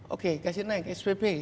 oke kasih naik spp